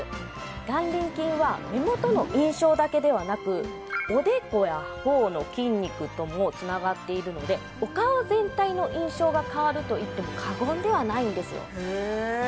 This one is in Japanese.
輪筋は目元の印象だけではなくおでこや頬の筋肉ともつながっているのでお顔全体の印象が変わるといっても過言ではないんですよ